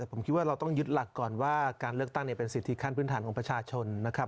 ผมคิดว่าเราต้องยึดหลักก่อนว่าการเลือกตั้งเป็นสิทธิขั้นพื้นฐานของประชาชนนะครับ